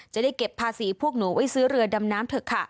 จะได้เก็บภาษีพวกหนูไว้ซื้อเรือดำน้ำเถอะค่ะ